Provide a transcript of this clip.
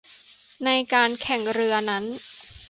ในการแข่งขันเรือนั้น